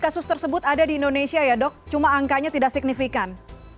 kasus tersebut ada di indonesia ya dok cuma angkanya tidak signifikan